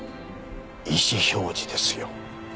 意思表示ですよ。